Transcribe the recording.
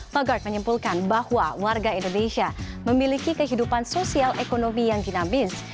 pagart menyimpulkan bahwa warga indonesia memiliki kehidupan sosial ekonomi yang dinamis